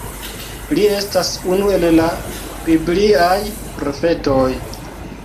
Li estas unu el la bibliaj profetoj.